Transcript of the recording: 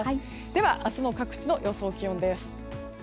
では明日の各地の予想気温です。